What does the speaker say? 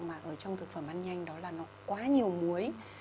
mà ở trong thực phẩm ăn nhanh đó là nó quá nhiều muối